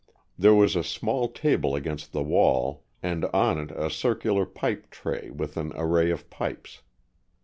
There was a small table against the wall, and on it a circular pipe tray with an array of pipes.